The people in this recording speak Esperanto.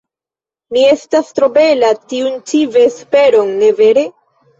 Mi estas tro bela tiun ĉi vesperon, ne vere?